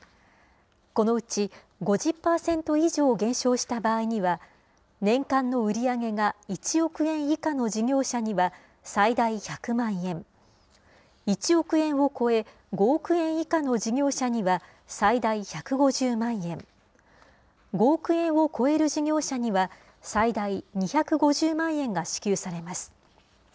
このうち５０％以上減少した場合には、年間の売り上げが１億円以下の事業者には最大１００万円、１億円を超え、５億円以下の事業者には最大１５０万円、５億円を超える事業者には最大２５０万円が支給されます。